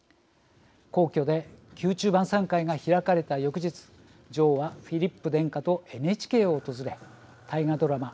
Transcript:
皇室で宮中晩さん会が開かれた翌日女王はフィリップ殿下とＮＨＫを訪れ大河ドラマ